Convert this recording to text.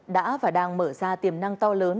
đã và đang mở ra tiềm năng to lớn